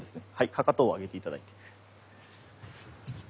かかとを上げて頂いて。